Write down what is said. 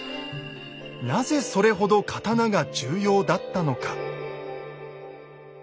なぜそれほど刀が重要だったのか。